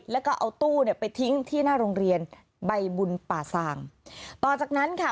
แล้วก็เอาตู้เนี่ยไปทิ้งที่หน้าโรงเรียนใบบุญป่าสางต่อจากนั้นค่ะ